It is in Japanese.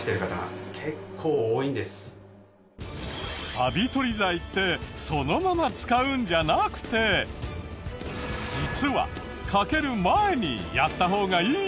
カビ取り剤ってそのまま使うんじゃなくて実はかける前にやった方がいい事が。